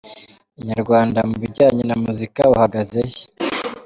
Inyarwanda: Mu bijyanye na muzika uhagaze he ?.